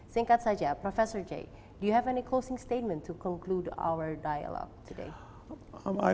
singkat saja prof jay apakah anda memiliki closing statement untuk mengakhiri dialog kami hari ini